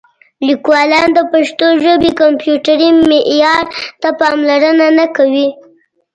لیکوالان د پښتو ژبې کمپیوټري معیار ته پاملرنه نه کوي.